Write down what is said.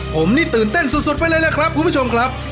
ผมนี่ตื่นเต้นสุดไปเลยล่ะครับคุณผู้ชมครับ